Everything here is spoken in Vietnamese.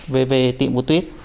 về tiệm của tuyết